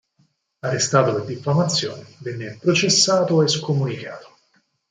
Arrestato per diffamazione, viene processato e scomunicato.